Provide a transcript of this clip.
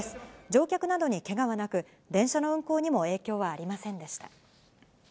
乗客などにけがはなく、電車の運行にも影響はありませんでした。